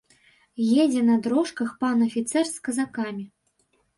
Едзе на дрожках пан афіцэр з казакамі.